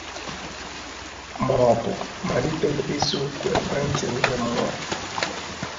ma ọbụ malite ịza oku ekwentị ndị mmụọ